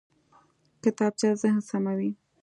کتابچه ذهن سموي